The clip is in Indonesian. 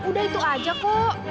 udah itu aja kok